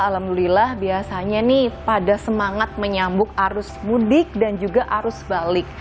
alhamdulillah biasanya nih pada semangat menyambut arus mudik dan juga arus balik